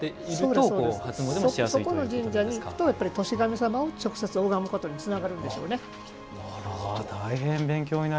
そこの神社に行くと歳神様を直接、拝むことにつながるんでしょうね。